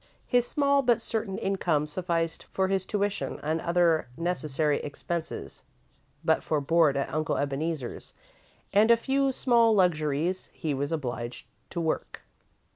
His small but certain income sufficed for his tuition and other necessary expenses, but for board at Uncle Ebeneezer's and a few small luxuries, he was obliged to work.